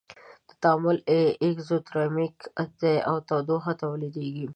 دا تعامل اکزوترمیک دی او تودوخه تولیدیږي.